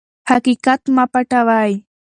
حقیقت مه پټوئ.